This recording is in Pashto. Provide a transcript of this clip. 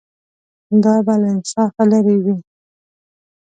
دا به له انصافه لرې وي.